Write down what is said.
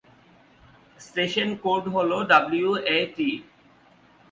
Station code হল ডব্লিউএটি।